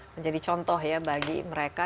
menjadi contoh ya bagi mereka